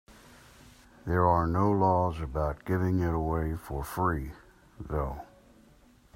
There are no laws about giving it away for free, though.